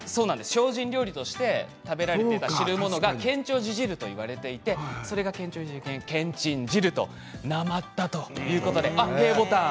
精進料理として食べられていた汁物が建長寺汁といわれていてそれがけんちん汁となまったということでへぇボタン。